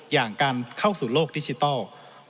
อย่างการเข้าสู่โลกดิจิทัล